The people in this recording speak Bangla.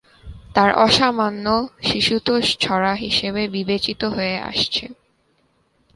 তার অসামান্য শিশুতোষ ছড়া হিসেবে বিবেচিত হয়ে আসছে।